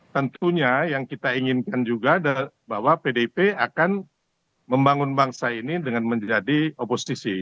tentunya yang kita inginkan juga bahwa pdip akan membangun bangsa ini dengan menjadi oposisi